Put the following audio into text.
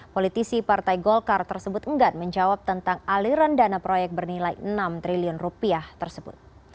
politisi partai golkar tersebut enggan menjawab tentang aliran dana proyek bernilai enam triliun rupiah tersebut